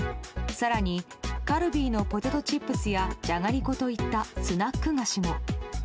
更にカルビーのポテトチップスやじゃがりこといったスナック菓子も。